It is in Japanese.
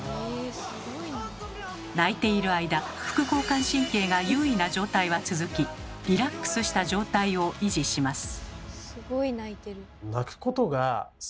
泣いている間副交感神経が優位な状態は続き「リラックスした状態」を維持します。